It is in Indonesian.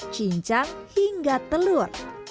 cincang hingga telur